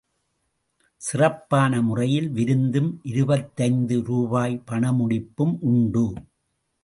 சிறப்பான முறையில் விருந்தும், இருபத்தைந்து ரூபாய் பணமுடிப்பும் உண்டு.